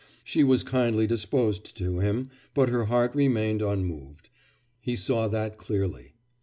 She was kindly disposed to him, but her heart remained unmoved; he saw that clearly.